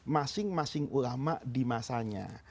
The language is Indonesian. masing masing ulama di masanya